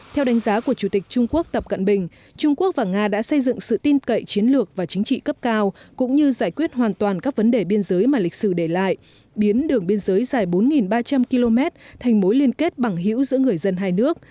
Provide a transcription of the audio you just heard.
theo đánh giá của chủ tịch trung quốc tập cận bình trung quốc và nga đã xây dựng sự tin cậy chiến lược và chính trị cấp cao cũng như giải quyết hoàn toàn các vấn đề biên giới mà lịch sử để lại biến đường biên giới dài bốn ba trăm linh km thành mối liên kết bằng hữu giữa người dân hai nước